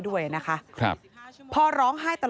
น้องหายแล้วน้องจะตามมา